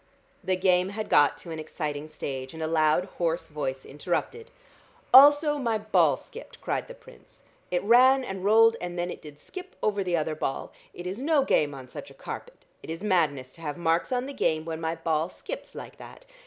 The game had got to an exciting stage, and a loud hoarse voice interrupted. "Also my ball skipped," cried the Prince. "It ran and rolled and then it did skip over the other ball. It is no game on such a carpet. It is madness to have marks on the game when my ball skips like that.